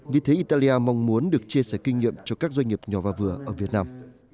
vì thế italia mong muốn được chia sẻ kinh nghiệm cho các doanh nghiệp nhỏ và vừa ở việt nam